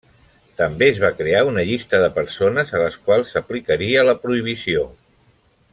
També es va crear una llista de persones a les quals s'aplicaria la prohibició.